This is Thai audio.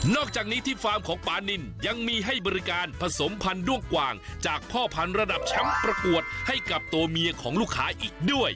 อกจากนี้ที่ฟาร์มของปานินยังมีให้บริการผสมพันธุ์ด้วงกว่างจากพ่อพันธุ์ระดับแชมป์ประกวดให้กับตัวเมียของลูกค้าอีกด้วย